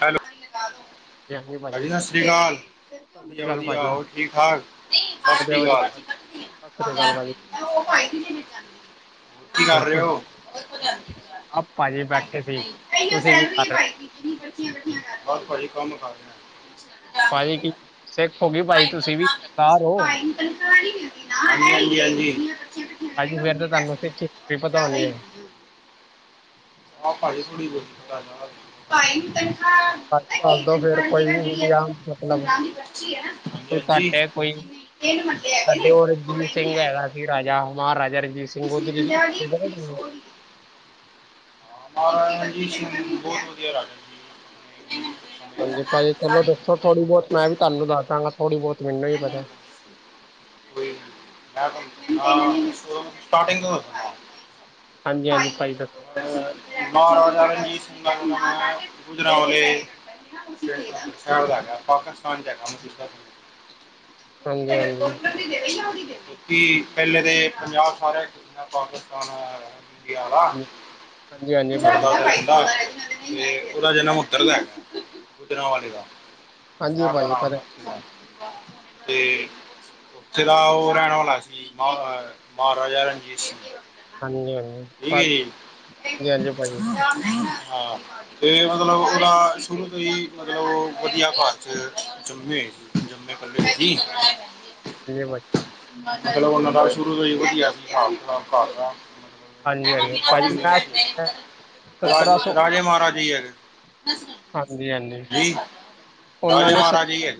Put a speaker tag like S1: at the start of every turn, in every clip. S1: Hello ਭਾਜੀ ਸਤਿ ਸ਼੍ਰੀ ਅਕਾਲ।
S2: ਸਤਿ ਸ੍ਰੀ ਅਕਾਲ
S1: ਵਧੀਆ-ਵਧੀਆ
S2: ਭਾਜੀ
S1: ਹੋਰ ਠੀਕ ਠਾਕ ਸਤਿ
S2: ਵਧੀਆ
S1: ਸ਼੍ਰੀ
S2: ਵਧੀਆ
S1: ਅਕਾਲ।
S2: ਭਾਜੀ, ਸਤਿ ਸ਼੍ਰੀ ਅਕਾਲ ਬਾਈ।
S1: [inaudible] ਕੀ ਕਰ
S2: ਹੋਰ
S1: ਰਹੇ ਹੋ
S2: ਆਪ ਭਾਜੀ ਬੈਠੇ ਸੀ। ਤੁਸੀਂ ਕੀ ਕਰ ਰਹੇ
S1: [unintelligible]
S2: ਭਾਜੀ ਕੀ ਸਿੱਖ ਹੋ ਕੀ ਭਾਜੀ ਤੁਸੀਂ ਵੀ ਸਰਦਾਰ ਹੋ?
S1: ਹਾਂਜੀ-ਹਾਂਜੀ।
S2: ਭਾਜੀ ਫਿਰ ਤਾਂ ਤੁਹਾਨੂੰ ਸਿੱਖੀ ਪਤਾ ਹੋਣੀ ਹੈ। [inaudible]
S1: [unintelligible] ਪਤਾ ਕੀ ਤਨਖਾਹ
S2: [unintelligible] ਕੋਈ
S1: ਦੀ ਜਗ੍ਹਾ ਜਿਹੜੀ ਹੈ ਸੰਗਰਾਮ ਦੀ ਪਰਚੀ ਹੈ ਨਾ। ਹਾਂਜੀ ਹਾਂਜੀ
S2: ਤੁਹਾਡੇ ਕੋਈ ਸਾਡੇ ਉਹ ਰਣਜੀਤ ਸਿੰਘ ਹੈਗਾ ਸੀ ਰਾਜਾ ਮਹਾਰਾਜਾ ਰਣਜੀਤ ਸਿੰਘ ਉਹਦੀ
S1: ਮਹਾਰਾਜਾ ਰਣਜੀਤ ਸਿੰਘ ਬਹੁਤ ਵਧੀਆ ਰਾਜਾ ਸੀ।
S2: ਹਾਂਜੀ, ਭਾਜੀ ਚੱਲੋ ਦੱਸੋ, ਥੋੜ੍ਹੀ ਬਹੁਤ ਮੈਂ ਵੀ ਤੁਾਨੂੰ ਦੱਸਦਾਂਗਾ, ਥੋੜ੍ਹੀ ਬਹੁਤ ਮੈਨੂੰ ਵੀ ਪਤਾ ਏ।
S1: ਹਾਂ, ਸਟਾਰਟੀਂਗ
S2: ਹਾਂਜੀ-ਹਾਂਜੀ, ਭਾਈ
S1: ਮਹਾਰਾਜਾ ਰਣਜੀਤ ਸਿੰਘ ਜੀ, ਗੁਜਰਾਂਵਾਲੇ। ਪਾਕਿਸਤਾਨ'ਚ ਹੈਗਾ।
S2: ਹਾਂਜੀ-ਹਾਂਜੀ।
S1: ਕੀ, ਪਹਿਲੇ ਦੇ ਪੰਜਾਬ ਸਾਰਨਾ ਪਾਕਿਸਤਾਨ ਗਿਆਰਾ
S2: ਹਾਂਜੀ ਹਾਂਜੀ
S1: ਸਰ
S2: ਭਾਜੀ
S1: ਰਹਿੰਦਾ, ਤੇ ਉਹਦਾ ਜਨਮ ਉੱਤਰਦਾ ਗੁਜਰਾਂਵਾਲੇ ਦਾ।
S2: ਹਾਂਜੀ
S1: ਸ਼ਹਿਰ ਦਾ
S2: ਭਾਜੀ
S1: ਨਾਮ
S2: ਪਤਾ
S1: ਤੇ ਜ਼ਿਲਾ ਉਹ ਰਹਿਣ ਵਾਲਾ ਸੀ, ਮ ਮਹਾਰਾਜਾ ਰਣਜੀਤ ਸਿੰਘ
S2: ਹਾਂਜੀ-ਹਾਂਜੀ,
S1: ਠੀਕ ਹੈ ਜੀ
S2: ਹਾਂਜੀ, ਹਾਂਜੀ ਭਾਜੀ।
S1: ਹਾਂ। ਤੇ ਮਤਲਬ ਉਹਦਾ, ਸ਼ੁਰੂ ਤੋਂ ਈ, ਮਤਲਬ ਓ ਵਧੀਆ ਘਰ 'ਚ ਜੰਮੇ। ਜੰਮੇ, ਪੱਲੇ ਸੀ।
S2: ਏ ਵਾਏ
S1: ਮਤਲਬ ਉਹਨਾਂ ਦਾ, ਸ਼ੁਰੂ ਤੋਂ ਈ ਵਧੀਆ ਸੀ ਹਿਸਾਬ-ਕੀਤਾਬ ਘਰ ਦਾ। [inaudible]
S2: ਹਾਂਜੀ ਹਾਂਜੀ ਭਾਜੀ ਮੈਂ ਸੁਣਿਆ ਸਤਰਾਂ ਸੌ
S1: ਰਾਜੇ-ਰਾਜੇ ਮਹਾਰਾਜੇ ਈ ਹੈਗੇ,
S2: ਹਾਂਜੀ ਹਾਂਜੀ
S1: ਜੀ। ਰਾਜੇ, ਮਹਾਰਾਜੇ ਹੀ ਐ।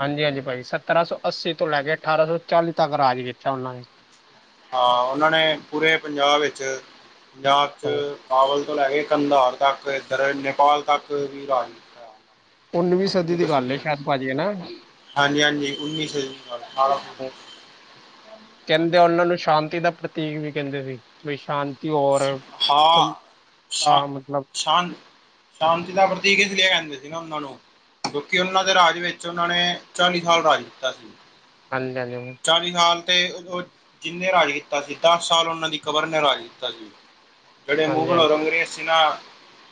S2: ਹਾਂਜੀ-ਹਾਂਜੀ ਭਾਜੀ ਸੱਤਰਾ-ਸੌ ਅੱਸੀ ਤੋਂ ਲੈਕੇ, ਅਠਾਰਾਂ-ਸੌ ਚਾਲੀ ਤੱਕ ਰਾਜ ਕੀਤਾ ਉਹਨਾਂ ਨੇ।
S1: ਹਾਂ, ਉਹਨਾਂ ਨੇ ਪੂਰੇ ਪੰਜਾਬ ਵਿੱਚ, ਪੰਜਾਬ 'ਚ ਬਾਵਲ ਤੋਂ ਲੈਕੇ ਕੰਧਾੜ ਤੱਕ ਏਧਰ, ਨੇਪਾਲ ਤੱਕ ਵੀ ਰਾਜ ਕੀਤਾ।
S2: ਉੱਨਵੀਂ ਸਦੀ
S1: ਜੰਮੂ
S2: ਦੀ ਗੱਲ ਹੈ
S1: ਕਸ਼ਮੀਰ,
S2: ਸ਼ਾਇਦ ਭਾਜੀ ਹਨਾ
S1: ਹਾਂਜੀ-ਹਾਂਜੀ, ਉੱਨੀ ਸੌ ਅਠਾਰਾਂ ਸੌ
S2: ਕਹਿੰਦੇ
S1: ਹਾਂਜੀ
S2: ਉਹਨਾਂ
S1: ਹਾਂਜੀ
S2: ਨੂੰ ਸ਼ਾਂਤੀ ਦਾ ਪ੍ਰਤੀਕ ਵੀ ਕਹਿੰਦੇ ਸੀ, ਬਈ ਸ਼ਾਂਤ
S1: ਹਾ, ਸ਼ਾ,
S2: ਮਤਲਬ
S1: ਛਾਨ ਸ਼ਾਂਤੀ ਦਾ ਪ੍ਰਤੀਕ ਇਸ ਲੀਏ ਕਹਿੰਦੇ ਸੀ ਨਾ, ਉਹਨਾਂ ਨੂੰ। ਕਿਉਂਕਿ ਉਹਨਾਂ ਦੇ ਰ੍ਹਾਜ ਵਿੱਚ ਉਹਨਾਂ ਨੇ, ਚਾਲੀ ਸਾਲ ਰ੍ਹਾਜ ਕੀਤਾ ਸੀ।
S2: ਹਾਂਜੀ-ਹਾਂਜੀ ਹੁ
S1: ਚਾਲ੍ਹੀ ਸਾਲ ਤੇ ਉਹ ਜਿੰਨੇ ਰਾਜ ਕੀਤਾ ਸੀ, ਦੱਸ ਸਾਲ ਉਹਨਾਂ ਦੀ ਕਬਰ ਨੇ ਰਾਜ ਕੀਤਾ ਸੀ। ਜਿਹੜੇ
S2: ਹਾਂਜੀ
S1: ਮੁਗਲ ਔਰ ਅੰਗਰੇਜ਼ ਸੀ ਨਾ,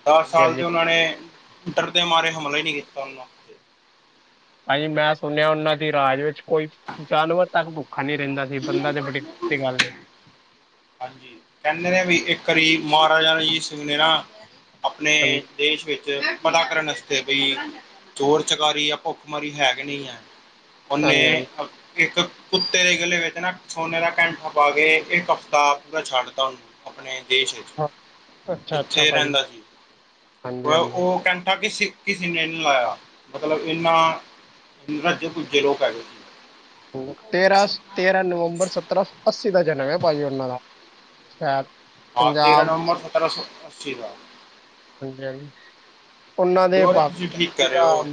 S1: ਦੱਸ
S2: ਹਾਂਜੀ
S1: ਸਾਲ
S2: ਹਾਂਜੀ
S1: ਤੇ ਉਹਨਾਂ ਨੇ ਡਰਦੇ ਮਾਰੇ ਹਮਲਾ ਈ ਨੀ ਕੀਤਾ ਉਹਨਾ
S2: ਭਾਜੀ ਮੈਂ ਸੁਣਿਆ, ਉਹਨਾਂ ਦੀ ਰਾਜ ਵਿੱਚ ਕੋਈ ਜਾਨਵਰ ਤੱਕ ਭੁੱਖਾ ਨੀ ਰਹਿੰਦਾ ਬੰਦਾ ਤੇ ਬੜੀ, ਦੂਰ ਦੀ ਗੱਲ ਏ।
S1: ਹਾਂਜੀ। ਕਹਿੰਦੇ ਨੇ ਵੀ ਇੱਕ ਵਾਰੀ ਮਹਾਰਾਜ਼ਾ ਰਣਜੀਤ ਸਿੰਘ ਨੇ ਨਾ, ਅਪਨੇ
S2: ਹਾਂਜੀ
S1: ਦੇਸ਼ ਵਿੱਚ, ਪਤਾ ਕਰਨ ਵਸਤੇ ਬਈ ਚੋਰ-ਚਕਾਰੀ ਯੲ ਭੁੱਖਮਾਰੀ ਹੈ, ਕਿ ਨਹੀ ਹੈ। ਉਹਨੇ,
S2: ਹਾਂਜੀ
S1: ਇੱਕ ਕੁੱਤੇ ਦੇ ਗਲੇ ਵਿੱ ਚ ਸੋਨੇ ਦਾ ਕੈਂਠਾ ਪਾਕੇ, ਇੱਕ ਹਫਤਾ ਪੂਰਾ ਛੱਡਤਾ ਉਹਨੂੰ, ਆਪਣੇ ਦੇਸ਼ ਵਿੱਚ।
S2: ਅੱਛਾ ਅੱਛਾ
S1: ਜਿੱਥੇ
S2: ਭਾਜੀ
S1: ਰਹਿੰਦਾ ਸੀ।
S2: ਹਾਂਜੀ
S1: ਉਹ,
S2: ਹਾਂਜੀ
S1: ਉਹ ਕੈਂਠਾ ਕਿਸੀ ਕਿਸੇ ਨੇ ਨੀ ਲਾਇਆ, ਮਤਲਬ ਇਹਨਾ, ਰੱਜੇ-ਪੁੱਜੇ ਲੋਕ ਹੈਗੇ ਸੀ।
S2: ਤੇਰਾ, ਸ, ਤੇਰਾ ਨਵੰਬਰ ਸਤਰਾ-ਸੌ-ਅੱਸੀ ਦਾ ਜਨਮ ਐ, ਭਾਜੀ ਉਹਨਾਂ ਦਾ। ਸਟਾਥ
S1: ਹਾਂ, ਤੇਰਾਂ ਨਵੰਬਰ ਸਤਰਾ ਸੌ ਅੱਸੀ ਦਾ।
S2: ਹਾਂਜੀ-ਹਾਂਜੀ ਉਹਨਾਂ
S1: ਹਾਂਜੀ
S2: ਦੇ
S1: ਹੋਰ ਤੁਸੀਂ
S2: ਪੱਖ'ਚ
S1: ਠੀਕ ਕਰ ਰਹੇ
S2: ਸੀਗਾ
S1: ਹੋ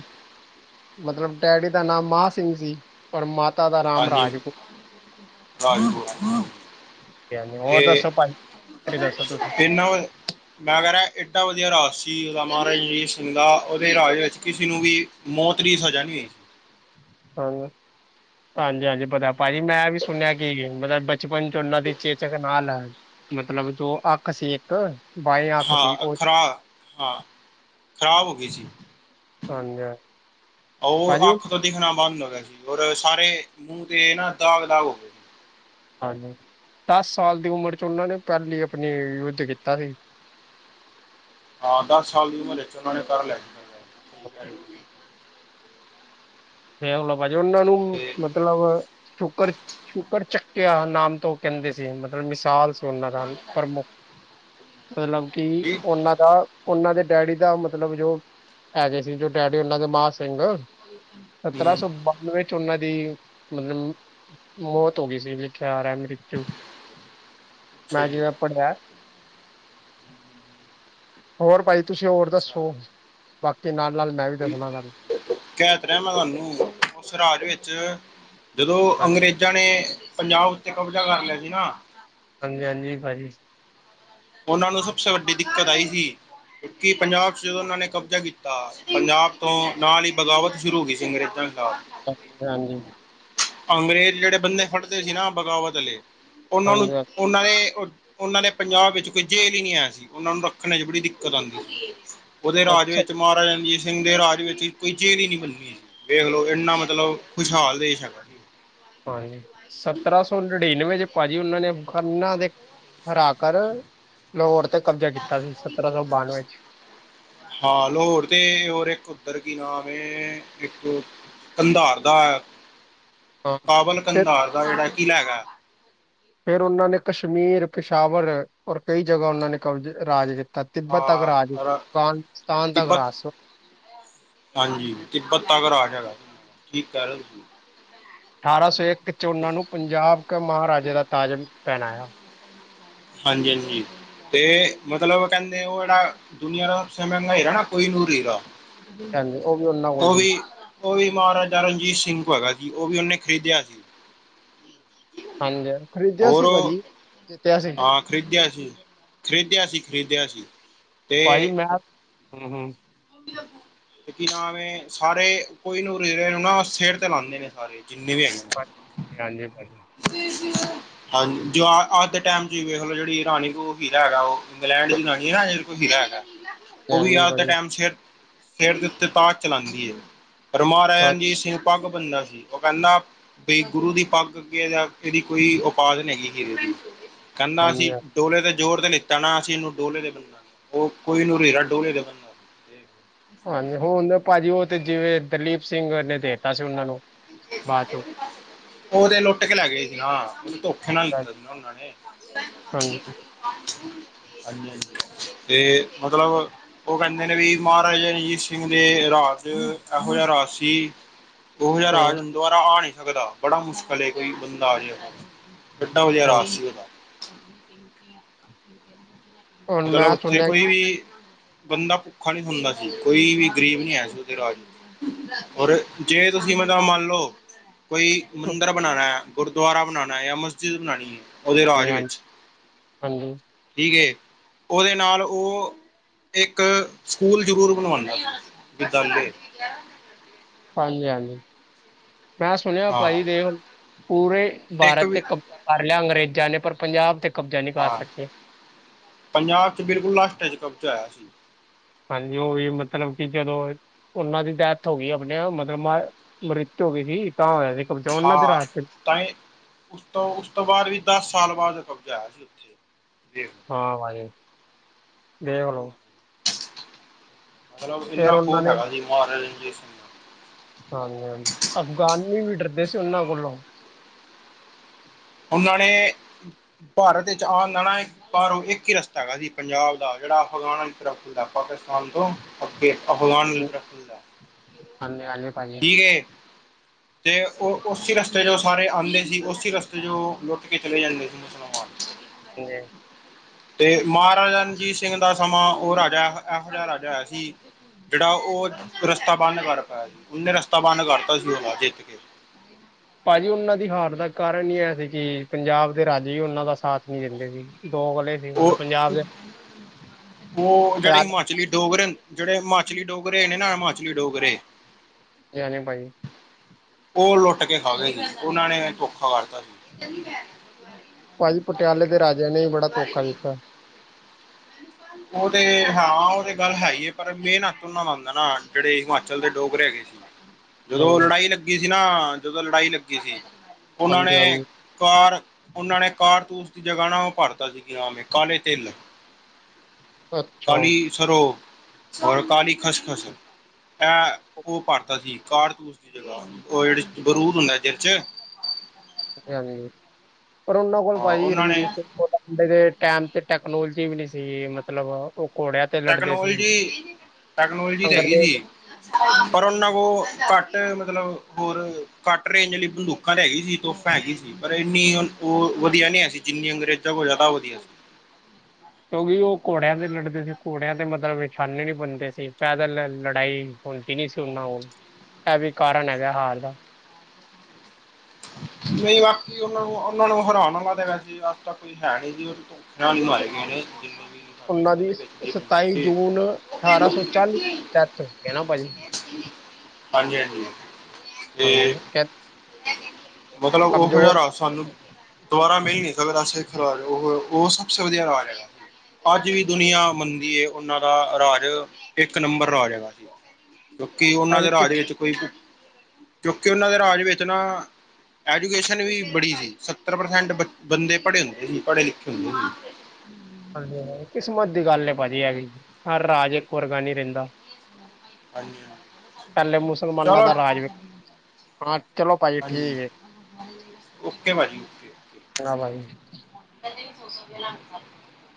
S2: ਮਤਲਬ, ਡੈਡੀ ਦਾ ਨਾਮ ਮਹਾਂਸਿੰਘ ਸੀ, ਔਰ ਮਾਤਾ ਦਾ ਨਾਮ ਰਾਜਪੂ
S1: ਰਾਜ ਕੌਰ।
S2: ਸੀ ਹਾਂਜੀ
S1: ਤੇ,
S2: ਹੋਰ ਦੱਸੋ ਭਾਜੀ ਤੁਸੀਂ ਦੱਸੋ ਤੁਸੀਂ
S1: ਇਹਨਾਂ ਮੈਂ ਕਹਿ ਰਿਹਾ, ਏਡਾ ਵਧੀਆ ਰਾਜ ਸੀ, ਉਹਦਾ ਮਹਾਰਾਜਾ ਰਣਜੀਤ ਸਿੰਘ ਦਾ। ਉਹਦੇ ਰਾਜ ਵਿੱਚ ਕਿਸੇ ਨੂੰ ਵੀ ਮੌਤ ਦੀ ਸਜਾ ਨੀ ਹੋਈ ਸੀ।
S2: ਹਾਂ, ਹਾਂਜੀ-ਹਾਂਜੀ ਪਤਾ
S1: ਸੀ
S2: ਭਾਜੀ, ਮੈਂ ਵੀ ਸੁਣਿਆ ਕੀ ਮਤਲਬ ਬ ਬਚਪਨ 'ਚ ਉਹਨਾਂ ਦੀ ਚੇਚਕ ਨਾਲ ਐ ਮਤਲਬ, ਜੋ ਅੱਖ ਸੀ ਇੱਕ ਬਾਈ ਅੱਖ ਸੀ
S1: ਹਾਂ,
S2: ਉਹ
S1: ਖਰਾ ਹਾਂ ਖ਼ਰਾਬ ਹੋ ਗਈ ਸੀ,
S2: ਹਾਂਜੀ ਹਾਂਜੀ। ਭਾਜੀ
S1: ਔਰ
S2: ਉਹ
S1: ਅੱਖ ਤੋਂ ਦਿਖਣਾ ਬੰਦ ਹੋ ਗਿਆ ਸੀ, ਔਰ ਸਾਰੇ ਮੂੰਹ ਤੇ ਨਾ ਦਾਗ-ਦਾਗ, ਹੋ ਗਏ।
S2: ਹਾਂਜੀ, ਦਸ ਸਾਲ ਦੀ ਉਮਰ 'ਚ ਉਹਨਾਂ ਨੇ, ਪਹਿਲੀ ਆਪਣੀ ਯੁੱਧ ਕੀਤਾ ਸੀ।
S1: ਹਾਂ, ਦਸ ਸਾਲ ਦੀ ਉਮਰ ਵਿੱਚ ਉਹਨਾਂ ਨੇ ਕਰ ਲਿਆ ਸੀ।
S2: ਫੇਰ ਉਹਨਾ ਭਾਜੀ ਉਹਨਾਂ ਨੂੰ
S1: ਤੇ
S2: ਮਤਲਬ ਸ਼ੁਕਰ, ਸ਼ੁਕਰਚੱ ਕੀਆ ਨਾਮ ਤੋਂ ਕਹਿੰਦੇ ਸੀ, ਮਤਲਬ ਮਿਸਾਲ ਉਹਨਾਂ ਦਾ ਪ੍ਰਮੁੱਖ, ਮਤਲਬ ਕਿ
S1: ਜੀ
S2: ਉਹਨਾਂ ਦਾ ਉਹਨਾਂ ਦੇ ਡੈਡੀ ਦਾ ਮਤਲਬ, ਜੋ ਹੈਗੇ ਸੀ ਜੋ ਡੈਡੀ ਉਹਨਾਂ ਦੇ ਮਹਾਂ ਸਿੰਘ
S1: [inaudible]
S2: ਸਤਰਾਂ
S1: ਹੂੰ
S2: ਸੌ ਬਾਨਵੇਂ ਚ, ਉਹਨਾਂ ਦੀ ਮਤਲਬ ਮੌਤ ਹੋ ਗਈ ਸੀ, ਲਿਖਿਆ ਆ ਰਿਹਾ ਮ੍ਰਿਤੂ,
S1: ਅੱਛਾ
S2: ਮੈਂ
S1: ਜੀ
S2: ਜਿਵੇਂ ਪੜਿਆ। ਹੋਰ ਭਾਜੀ, ਤੁਸੀਂ ਹੋਰ ਦੱਸੋ,
S1: ਅੱਛਾ
S2: ਬਾਕੀ ਨਾਲ -ਨਾਲ, ਮੈਂ ਵੀ ਦੱਸਨਾ ਤੁਹਾਨੂੰ।
S1: ਕਹਿ ਤਾਂ ਰਿਹਾ ਮੈਂ ਤੁਹਾਨੂੰ, ਉਸ ਰਾਜ ਵਿੱਚ ਜਦੋਂ
S2: ਹਾਂਜੀ
S1: ਅੰਗਰੇਜ਼ਾਂ ਨੇ ਪੰਜਾਬ ਉੱਤੇ ਕਬਜ਼ਾ ਕਰ ਲਿਆ ਸੀ ਨਾ
S2: ਹਾਂਜੀ- ਹਾਂਜੀ, ਭਾਜੀ
S1: ਉਹਨਾਂ ਨੂੰ, ਸਭਸੇ ਵੱਡੀ ਦਿੱਕਤ ਆਈ ਸੀ ਕਿ ਪੰਜਾਬ ਚ ਜਦੋਂ ਉਹਨਾਂ ਨੇ ਕਬਜ਼ਾ ਕੀਤਾ, ਪੰਜਾਬ ਤੋਂ ਨਾਲ ਹੀ ਬਗਾਵਤ ਸ਼ੁਰੂ ਹੋ ਗਈ ਸੀ, ਅੰਗਰੇ ਜਾਂ ਨਾਲ
S2: ਅੱਛਾ, ਹਾਂਜੀ।
S1: ਅੰਗਰੇਜ਼ ਜਿਹੜੇ ਬੰਦੇ ਫੜਦੇ ਸੀ ਨਾ, ਬਗਾਵਤ ਆਲੇ ਉਹਨਾਂ ਨੂੰ,
S2: ਹਾਂਜੀ
S1: ਉਹਨਾਂ ਨੇ ਉ ਉਹਨਾਂ ਨੇ ਪੰਜਾਬ ਵਿੱਚ ਕੋਈ ਜੇਲ੍ਹ ਹੀ ਨਹੀਂ ਹੈ ਸੀ, ਉਹਨਾਂ ਨੂੰ ਰੱਖਣੇ ਚ ਬੜੀ ਦਿੱਕਤ ਆਂਦੀ ਸੀ। ਉਹਦੇ ਰਾਜ
S2: ਅੱਛਾ
S1: ਵਿੱਚ ਮਹਾਰਾਜਾ ਰਣਜੀਤ ਸਿੰਘ ਦੇ ਰਾਜ ਵਿੱਚ ਕੋਈ ਜੇਲ ਹੀ ਨੀ ਬਣੀ ਹੋਈ ਸੀ, ਵੇਖ ਲਓ ਇੰਨਾ ਮਤਲਬ, ਖੁਸ਼ਹਾਲ ਦੇਸ਼ ਚੰਗਾ।
S2: ਹਾਂਜੀ ਸਤਰਾਂ ਸੌ ਨੜਿੰਨਵੇ ਚ ਭਾਜੀ ਉਹਨਾਂ ਨੇ ਖੰਨਾ ਦੇ ਹਰਾ ਕਰ ਲਾਹੌਰ ਤੇ ਕਬਜ਼ਾ ਕੀਤਾ ਸੀ ਸਤਰਾਂ ਸੌ ਬਾਨਵੇਂ ਚ
S1: ਹਾਂ ਲੋਾਹਰ ਤੇ ਹੋਰ ਇੱਕ ਉੱਧਰ ਕੀ ਨਾਮ ਏਅਅ ਇੱਕ ਕੰਧਾਰ ਦਾ।
S2: ਹਾਂ।
S1: ਕਾਬਲ
S2: ਫਿਰ
S1: ਕੰਧਾਰ ਦਾ ਜਿਹੜਾ ਕਿਲ੍ਹਾ ਹੈਗਾ
S2: ਫਿਰ ਉਹਨਾਂ ਨੇ ਕਸ਼ਮੀਰ, ਕਿਸ਼ਾਵਰ ਔਰ ਕਈ ਜਗ੍ਹਾ ਉਹਨਾਂ ਨੇ ਕਬਜ ਰਾਜ ਜਿੱ ਤ, ਤਿੱਬਤ ਤੱਕ
S1: ਹਾਂ
S2: ਰਾਜ, ਦੀ
S1: ਔਰ
S2: ਸਤਾਨ, ਸਤਾਨ ਤੱਕ
S1: ਤਿੱਬਤ
S2: ਰਾਸ
S1: ਹਾਂਜੀ। ਤਿੱਬਤ ਅਗਰ ਆਜਾਂਗਾ ਠੀਕ ਕਹਿ ਰਹੇ ਓ।
S2: ਅਠਾਰਾਂ ਸੌ ਇੱਕ ਚ ਉਹਨਾਂ ਨੂੰ
S1: ਤੁਸੀਂ
S2: ਪੰਜਾਬ ਕੇ ਮਹਾਰਾਜੇ ਦਾ ਤਾਜ ਪਹਿਨਾਇਆ।
S1: ਹਾਂਜੀ- ਹਾਂਜੀ। ਤੇ ਮਤਲਬ ਕਹਿੰਦੇ ਉਹ ਜਿਹੜਾ ਦੁਨੀਆਂ ਦਾ ਸਮਂ ਹੀਰਾ ਨਾ ਕੋਹਿਨੂਰ ਹੀਰਾ
S2: ਹਾਂਜੀ ਉਹ ਵੀ ਉਹਨਾਂ ਕੋਲ
S1: ਉਹ
S2: ਸੀ
S1: ਵੀ- ਉਹ ਵੀ ਮਹਾਰਾਜਾ ਰਣਜੀਤ ਸਿੰਘ ਹੈਗਾ ਜੀ ਉਹ ਵੀ ਉਹਨੇ ਖਰੀਦਿਆ ਸੀ।
S2: ਹੈਲੋ।
S1: ਹੋਰ ਹਾਂ ਖਰੀਦਿਆ ਸੀ ਖਰੀਦਿਆ ਸੀ ਖਰੀਦਿਆ ਸੀ
S2: ਭਾਈ
S1: ਤੇ
S2: ਮੈਂ ਹਾਂ- ਹਮ- ਹਮ [inaudible]
S1: ਕੀ ਨਾਵੇਂ ਸਾਰੇ ਕੋਈ ਨੂੰ ਕੋ ਜਿਹੜੇ ਨਾ ਸਿਰ ਤੇ ਲਾਂਦੇ ਨੇ ਸਾਰੇ ਜਿੰਨੇ ਵੀ ਹੈਗੇ।
S2: ਕੇ ਹਾਲ ਏ ਭਾਈ।
S1: ਜੀ ਜੀ ਹਾਂਜੀ ਜੋ ਅੱਜ ਦੇ ਟਾਈਮ ਚ ਵੇਖਲੋ ਜਿਹੜੀ ਰਾਣੀ ਹੀਰਾ ਹੈਗਾ ਉਹ ਇੰਗਲੈਂਡ ਦੀ ਰਾਣੀ ਹੈ ਨੀ ਉਹ ਵੀ
S2: ਹਾਂਜੀ
S1: ਅੱਜ ਦੇ
S2: ਭਾਜੀ
S1: ਟਾਈਮ ਸ ਸਰ ਦੇ ਉੱਤੇ ਤਾਕ ਚਲਾਉਂਦੀ ਪਰ ਮਹਾਰਾਜ
S2: ਹਾਂ-
S1: ਰਣਜੀਤ ਸਿੰਘ ਪੱਗ ਬਣਦਾ ਸੀ ਉਹ ਕਹਿੰਦਾ ਵੀ ਗੁਰੂ ਦੀ ਪੱਗ ਅੱਗੇ ਜਾਕੇਇਹਦੀ ਕੋਈ ਉਪਾ ਨਹੀਂੀ ਹੈਗੀ ਹੀ ਇਹਦੀ ਕਹਿੰਦਾ ਅ ਸੀ
S2: ਹਾਂਜੀ
S1: ਡੋਲੇ ਤੇ ਜੋੋਰ ਤੇ ਲਿੱਤਾ ਨਾ ਅਸੀਂ ਇਹਨੂੰ ਡੋਲੇ ਦੇ ਬੰਨ ਲਾ ਗੇ। ਉਹ ਕੋਈ ਨੂੰ ਦੇਗਾ ਡੋਲੇ ਤੇ ਬੰਨ
S2: ਹਾਂਜੀ ਹੁਣ ਭਾਜੀ ਉਹ ਤੇ ਜਿਵੇਂ ਦਲੀਪ ਸਿੰਘ ਨੇ ਦੇਤਾ ਸੀ ਉਹਨਾਂ ਨੂੰ ਬਾਅਚ
S1: ਉਹਦੇ ਲੁੱਟ ਕੇ ਲੈ ਗਏ ਸੀ। ਹਾਂ ਉਹਨ ਧੋਖੇ ਨਾਲ ਦਿੱਤੇ ਸੀ ਨਾ ਉਹਨਾਂ ਨੇ।
S2: ਹਾਂਜੀ
S1: ਹਾਂਜੀ ਹਾਂਜੀ ਤੇ, ਮਤਲਬ ਉਹ ਕਹਿੰਦੇ ਨੇ ਵੀ, ਮਹਾਰਾਜਾ ਰਣਜੀਤ ਸਿੰਘ ਦੇ, ਰਾਜ ਚ, ਇਹੋ ਜਿਹਾ ਰਾਜ ਸੀ ਉਹੋ ਜਿਹਾ,
S2: ਹੂੰ
S1: ਰਾਜ ਹੁਨ ਦੁਬਾਰਾ ਆ ਨੀ ਸਕਦਾ, ਬੜਾ ਮੁਸ਼ਕਿਲ, ਕੋਈ ਬੰਦਾ ਆ ਜੇ ਏਡਾ ਵਧਿਆ,
S2: ਹੂੰ,
S1: ਰਾਜ ਸੀ, ੳਦਾ
S2: ਹੁਣ
S1: ਮਤਲਬ,
S2: ਮੈਂ
S1: ਉੱਥੇ
S2: ਸੁਣਿਆ
S1: ਕੋਈ ਵੀ ਬੰਦਾ ਭੁੱਖਾ ਨੀ ਸੋਦਾ ਸੀ, ਕੋਈ ਵੀ ਗਰੀਬ ਨੀ ਹੈ, ਉਹਦੇ ਰਾਜ ਹੋਰ, ਜੇ ਤੁਸੀਂ ਮਤਾਂ, ਮੰਨ ਲਓ ਕੋਈ ਮੰਦਰ ਬਣਾਉਣਾ, ਗੁਰਦੁਆਰਾ ਬਣਾਉਣਾ ਹੈ ਜਾਂ ਮਸਜਿਦ ਬਣਾਉਣੀ ਹੈ ਉਹਦੇ ਰਾਜ
S2: ਹਾਂਜੀ
S1: ਵਿੱਚ,
S2: ਹਾਂਜੀ
S1: ਠੀਕ ਏ ਉਹਦੇ ਨਾਲ, ਉਹ ਇੱਕ ਸਕੂਲ ਜ਼ਰੂਰ ਬਣਵਾਉਂਦਾ ਸੀ, ਵਿਦਿਆਲੇ
S2: ਹਾਂਜੀ -ਹਾਂਜੀ, ਮੈਂ ਸੁਣਿਆ ਭਾਜੀ
S1: ਹਾਂ
S2: ਦੇਖ ਲਉ ਪੂਰੇ
S1: ਇੱਕ
S2: ਭਾਰਤ
S1: ਵੀ
S2: ਤੇ ਕਬਜ਼ਾ ਕਰ ਲਿਆ ਅੰਗਰੇਜ਼ਾਂ ਨੇ, ਪਰ ਪੰਜਾਬ ਤੇ ਕਬਜ਼ਾ ਨਹੀਂ ਕਰ
S1: ਹਾਂ
S2: ਸਕੇ।
S1: ਪੰਜਾਬ ਚ, ਬਿਲਕੁਲ ਲਾਸਟ ਚ ਕਬਜ਼ਾ ਆਇਆ ਸੀ।
S2: ਹਾਂਜੀ, ਉਹ ਵੀ ਮਤਲਬ ਕਿ ਜਦੋਂ ਉਹਨਾਂ ਦੀ ਡੈਥ ਹੋ ਗਈ, ਆਪਣੇ ਮਤਲਬ ਮ ਮ੍ਰਿਤੂ ਹੋ ਗਈ ਸੀ, ਤਾਂ ਹੋਇਆ ਸੀ ਕਬਜ਼ਾ ਉਹਨਾਂ ਦੇ
S1: ਹਾਂ
S2: ਰਾਜ
S1: ਤਾਂ ਉਸ ਤੋਂ ਉਸ ਤੋਂ ਬਾਅਦ ਵੀ, ਦਸ ਸਾਲ ਬਾਅਦ ਕਬਜ਼ਾ ਆਇਆ ਸੀ ਉੱਥੇ ਦੇਖ
S2: ਹਾਂ, ਭਾਜੀ ਦੇਖਲਉ
S1: ਮਤਲਬ
S2: ਫੇਰ
S1: ਇੰਨਾ
S2: ਉਹਨਾਂ
S1: ਖੋਫ
S2: ਨੇ
S1: ਹੈਗਾ ਸੀ, ਮਹਾਰਾਜ ਰਣਜੀਤ ਸਿੰਘ ਦਾ
S2: ਹਾਂਜੀ -ਹਾਂਜੀ, ਅਫਗਾਨੀ ਵੀ ਡਰਦੇ ਸੀ ਉਹਨਾਂ ਕੋਲੋਂ।
S1: ਉਹਨਾਂ ਨੇ, ਭਾਰਤ ਵਿੱਚ ਆਨਾਂ ਨਾ ਪਰ ਉਹ ਇੱਕ ਹੀ ਰਸਤਾ ਹੈਗਾ ਸੀ, ਪੰਜਾਬ ਦਾ [unintelligible] ਖੁੱਲਦਾ ਪਾਕਿਸਤਾਨ ਤੋਂ [unintelligible]
S2: ਹਾਂਜੀ- ਹਾਂਜੀ, ਭਾਜੀ।
S1: [unintelligible] ਤੇ ਉਹ ਉਸੀ ਰਸਤੇ ਚੋਂ ਸਾਰੇ ਆਉਂਦੇ ਸੀ, ਉਸੀ ਰਸਤੇ ਚੋਂ ਲੁੱਟ ਕੇ ਚਲੇ ਜਾਂਦੇ ਸੀ ਮੁਸਲਮਾਨ
S2: ਹਮ
S1: ਤੇ ਮਹਾਰਾਜਾ ਰਣਜੀਤ ਸਿੰਘ ਦਾ ਸਮਾਂ, ਉਹ ਰਾਜਾ ਇਹੋ ਜਿਹਾ ਰਾਜਾ ਹੈ ਸੀ। ਜਿਹੜਾ ਉਹ ਰਸਤਾ ਬੰਦ ਕਰ ਪਾਇਆ ਸੀ ਉਹਨੇ ਰਸਤਾ ਬੰਦ ਕਰਤਾ ਸੀ ਉਹਦਾ ਜਿੱਤ ਕੇ
S2: ਭਾਜੀ ਉਹਨਾਂ ਦੀ ਹਾਰ ਦਾ ਕਾਰਨ ਹੀ ਆ ਸੀ ਕਿ ਪੰਜਾਬ ਦੇ ਰਾਜੇ ਵੀ ਉਹਨਾਂ ਦਾ ਸਾਥ ਨਹੀਂ ਦਿੰਦੇ ਸੀ [unintelligible]
S1: ਉਹ
S2: ਪੰਜਾਬ ਦੇ
S1: ਉਹ ਜਿਹੜੇ ਹਿਮਾਚ
S2: ਪਟਿਆਲੇ
S1: ਮਾਚਲੀ ਡੋਗਰੇ ਜਿਹੜੇ ਹਿਮਾਚਲੀ ਡੋਗਰੇ ਨੇ ਨਾ ਹਿਮਾਚਲੀ ਡੋਗਰੇ
S2: [unintelligible]
S1: ਉਹ ਲੁੱਟ ਕੇ ਖਾ ਗਏ ਸੀ, ਉਹਨਾਂ ਨੇ ਧੋਖਾ ਕਰਤਾ ਸੀ।
S2: ਭਾਜੀ, ਪਟਿਆਲੇ ਦੇ ਰਾਜਿਆਂ ਨੇ ਵੀ ਬੜਾ ਧੋਖਾ ਦਿੱਤਾ।
S1: ਉਹ ਤੇ ਹਾਂ, ਉਹ ਤੇ ਗੱਲ ਹੈਗੀ ਹੈ, ਪਰ ਮੇਨ ਹੱਥ ਉਹਨਾ ਦਾ ਆਉਂਦਾ ਨਾ, ਜਿਹੜੇ ਹਿਮਾਚਲ ਦੇ ਡੋਗਰੇ ਹੈਗੇ। ਸੀ।
S2: [unintelligible]
S1: ਜਦੋਂ
S2: ਹੂੰ
S1: ਲੜਾਈ ਲੱਗੀ ਸੀ ਨਾ ਜਦੋਂ ਲੜਾਈ ਲੱਗੀ ਸੀ ਉਹਨਾਂ
S2: ਹਾਂਜੀ
S1: ਨੇ
S2: ਹਾਂਜੀ
S1: ਕਾਰ ਉਹਨਾਂ ਨੇ ਕਾਰ ਤੂਸ ਦੀ ਜਗ੍ਹਾ ਨਾ ਉਹ ਭਰਤਾ ਸੀ ਆਵੇਂ ਕਾਲੇ ਤਲ
S2: ਅੱਛਾ
S1: ਕਾਲੀ ਸਰੋ ਔਰ ਕਾਲੀ ਖਸਖਸ ਇਹ ਉਹ ਭਰਦਾ ਸੀ ਕਾਰਤੂਸ ਦੀ ਜਗ੍ਹਾ ਉਹ ਜਿਹੜ ਬਰੂਦ ਹੁੰਦਾ ਜਿਦੇ ਚ
S2: ਹਾਂਜੀ ਪਰ ਉਹਨਾਂ ਕੋਲ
S1: ਹਾਂ
S2: ਭਾ ਜ
S1: ਉਹਨਾਂ ਨੇ
S2: ਰਣਜੀਤ ਸਿੰਘ ਕੋ ਦੇ ਟੈਮ ਤੇ ਟੈਕਨੋਲੋਜੀ ਵੀ ਨੀ ਸੀਗੀ ਮਤਲਬ ਉਹ ਘੋੜੇ
S1: ਟੈਕਨੋਲੋਜੀ ਟੈਕਨੋਲੋਜੀ ਤਾਂ ਹੈਗੀ
S2: ਅੰਗਰੇਜ਼
S1: ਸੀ ਪਰ ਉਹਨਾਂ ਕੋਲ ਘੱਟ ਮਤਲਬ ਹੋਰ ਘੱਟ ਰੇਂਜ ਵਾਲੀ ਬੰਦੂਕ ਟ ਹੈਗੀ ਸੀ ਤੋਹਫ਼ਾ ਹੈਗੀ ਸੀ ਪਰ ਇੰਨੀ ਉਹ ਵਧੀਆ ਨਹੀ ਹੈ ਸੀ ਜਿੰਨੀ ਅੰਗਰੇਜ਼ਾਂ ਕੋਲ ਜ਼ਿਆਦਾ ਉਹ ਵਧੀਆ ਸੀ
S2: ਕਿਉਂਕਿ ਉਹ ਘੋੜਿਆਂ ਤੇ ਲੜਦੇ ਸੀ ਘੋੜਿਆਂ ਤੇ ਮਤਲਬ ਵਿਛਾਨ ਨੀ ਬੰਦੇ ਸੀ ਪੈਦਲ ਲੜਾਈ ਹੁੰਦੀ ਨੀ ਸੀ ਨਾ ਉਨ੍ਹਾਂ ਕੋਲ ਇਹ ਵੀ ਕਾਰਨ ਹੈਗਾ ਹਾਰ ਦਾ
S1: ਨਹੀਂ ਬਾਕੀ ਉਹਨਾਂ ਨੂੰ ਉਹਨਾਂ ਨੂੰ ਹਰਾਉਣਾ ਦੇ ਵੈਸੇ ਅਜ ਤਾਂ ਕੋਈ ਹੈ ਨੀ ਜੀ ਉਹਦੇ ਤੋਂ [unintelligible]
S2: ਉਹਨਾਂ ਦੀ ਸਤਾਈ ਜੂਨ ਅਠਾਰਾਂ ਸੌ ਚਾਲੀ ਡੈਥ ਹੋਈ ਹੈ ਨਾ ਭਾਜੀ
S1: ਹਾਂਜੀ ਹਾਂਜੀ ਤੇ
S2: ਹਾਂਜੀ
S1: ਮਤਲਬ ਉਹ
S2: ਕਮਜ਼ੋਰ
S1: ਜਾਰ ਸਾਨੂੰ ਦੁਬਾਰਾ ਮਿਲ ਨਈ ਸਕਦਾ ਸਿੱਖ ਰਾਜ ਉਹ ਉਹ ਸਭੇ ਤੋਂ ਵਧੀਆ ਰਾਜ ਹੈਗਾ ਅੱਜ ਵੀ ਦੁਨੀਆਂ ਮੰਨਦੀ ਉਹਨਾਂ ਦਾ ਰਾਜ ਇੱਕ ਨੰਬਰ ਰਾਜ ਹੈਗਾ ਸੀ ਕਿਉਂਕਿ ਉਹਨਾਂ
S2: ਭਾਜੀ
S1: ਦੇ
S2: ਕਿਸ
S1: ਰਾਜ ਵਿੱਚ ਕੋਈ ਕਿਉਂਕਿ ਉਹਨਾਂ ਦੇ ਰਾਜ ਵਿੱਚ ਨਾ ਐਜੂਕੇਸ਼ਨ ਵੀ ਬੜੀ ਸੀ ਸੱਤਰ ਪ੍ਰਸੈਂਟ ਬੰਦੇ ਪੜ੍ਹੇ ਹੁੰਦੇ ਸੀ, ਪੜ੍ਹੇ ਲਿਖੇ ਹੁੰਦੇ ਸੀ।
S2: ਹਾਂਜੀ ਹਾਂ ਕਿਸਮਤ ਦੀ ਗੱਲ ਨੇ ਭਾਜੀ ਹੈਗੀ ਜੀ, ਹਰ ਰਾਜ ਇੱਕ ਵਰਗਾ ਨੀ ਰਹਿੰਦਾ।
S1: ਹਾਂਜੀ
S2: ਪਹਿਲੇ
S1: [unintelligible]
S2: ਮੁਸਲਮਾਨਾਂ
S1: ਚਲੋ।
S2: ਦਾ ਰਾਜ ਵੇਖ- ਹਾਂ ਚਲੋ ਭਾਜੀ ਠੀਕ
S1: ਹਾਂਜੀ
S2: ਏ।
S1: ਓਕੇ ਭਾਜੀ ਓਕੇ ਓਕੇ
S2: ਨਾ ਭਾਈ।
S1: [unintelligible]